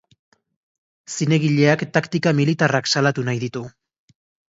Zinegileak taktika militarrak salatu nahi ditu.